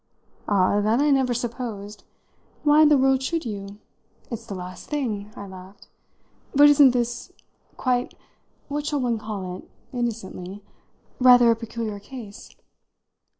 "Ah, that I never supposed! Why in the world should you? It's the last thing!" I laughed. "But isn't this quite (what shall one call it?) innocently rather a peculiar case?"